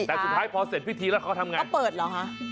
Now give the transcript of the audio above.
แต่สุดท้ายพอเสร็จพิธีแล้วเขาทำไงเขาเปิดเหรอคะ